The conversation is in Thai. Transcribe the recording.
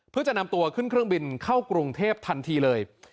เพื่อจะนำตัวขึ้นเครื่องบินเข้ากรุงเทพทันทีเลย